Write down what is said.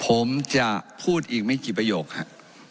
ผมจะพูดอีกไม่กี่ประโยคครับ